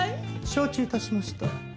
承知致しました。